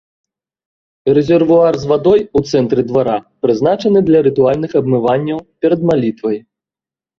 Рэзервуар з вадой у цэнтры двара прызначаны для рытуальных абмыванняў перад малітвай.